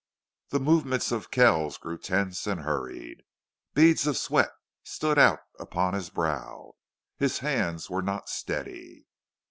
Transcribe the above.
The movements of Kells grew tense and hurried. Beads of sweat stood out upon his brow. His hands were not steady.